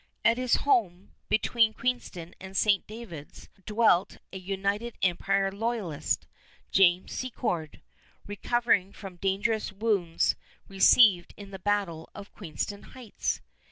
At his home, between Queenston and St. David's, dwelt a United Empire Loyalist, James Secord, recovering from dangerous wounds received in the battle of Queenston Heights.